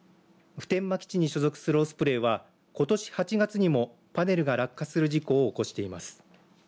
普天間基地に所属するオスプレイはことし８月にもパネルが落下する事故を起こしています。